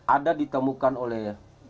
ada ditemukan oleh